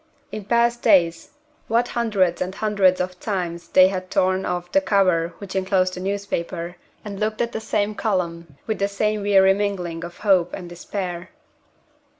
In past days, what hundreds on hundreds of times they had torn off the cover which inclosed the newspaper, and looked at the same column with the same weary mingling of hope and despair!